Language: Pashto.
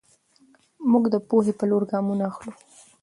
موږ د پوهې په لور ګامونه اخلو.